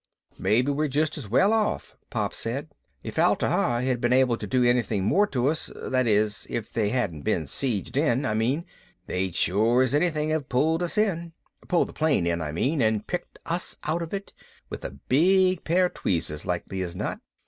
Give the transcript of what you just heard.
"Maybe we're just as well off," Pop said. "If Atla Hi had been able to do anything more for us that is, if they hadn't been sieged in, I mean they'd sure as anything have pulled us in. Pull the plane in, I mean, and picked us out of it with a big pair of tweezers, likely as not.